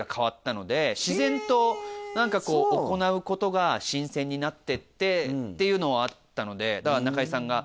自然と何か行うことが新鮮になってってっていうのはあったのでだから。